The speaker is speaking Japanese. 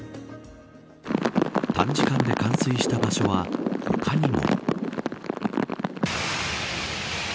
短時間で冠水した場所は他にも。